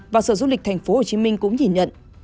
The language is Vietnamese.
và sở du lịch thành phố hồ chí minh cũng nhìn nhận